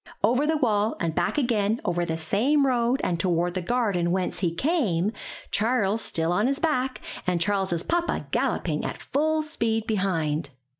Over the wall and back again over the same road and toward the garden whence he came, Charles still on his back and Charles's papa galloping at full speed behind.